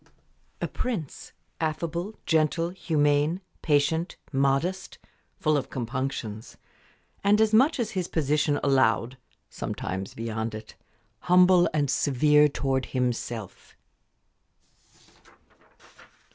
"A prince, affable, gentle, humane, patient, modest, full of compunctions, and, as much as his position allowed sometimes beyond it humble, and severe towards himself."